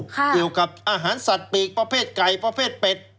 เกี่ยวกับอาหารสัตว์ปีกประเภทไก่ประเภทเป็ด